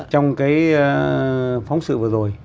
trong cái phóng sự vừa rồi